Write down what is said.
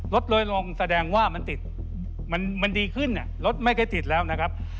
ลดเลยลงแสดงว่ามันติดมันดีขึ้นรถไม่ได้ติดแล้วนะครับ